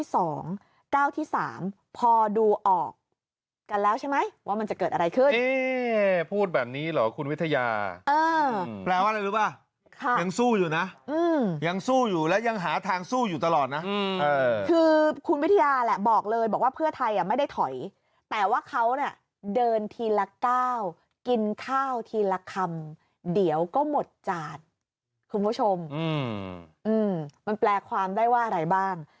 สำหรับนายประเสรฐรอยลำครับ